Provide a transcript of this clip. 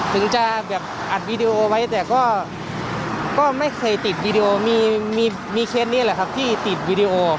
ถึงจะแบบอัดวีดีโอไว้แต่ก็ไม่เคยติดวีดีโอมีเคสนี้แหละครับที่ติดวีดีโอ